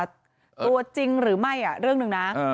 ตัวจริงหรือไม่เรื่องหนึ่งนะ